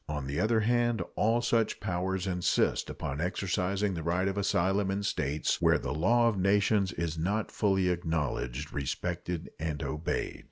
On the other hand, all such powers insist upon exercising the right of asylum in states where the law of nations is not fully acknowledged, respected, and obeyed.